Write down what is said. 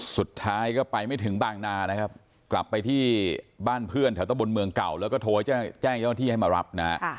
สุดท้ายก็ไปไม่ถึงบางนานะครับกลับไปที่บ้านเพื่อนแถวตะบนเมืองเก่าแล้วก็โทรแจ้งเจ้าหน้าที่ให้มารับนะฮะ